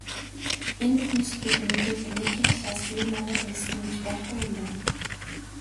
Энэ бүхнээс үзвэл, өнөөдөр генетикийн талаас ЦЭВЭР МОНГОЛ ҮНДЭСТЭН гэж байхгүй юм байна.